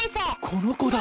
この子だ！